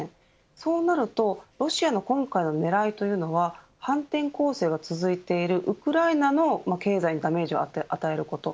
そうなるとロシアの今回の狙いは反転攻勢が続いているウクライナの経済にダメージを与えること。